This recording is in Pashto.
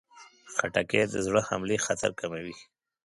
خټکی د زړه حملې خطر کموي.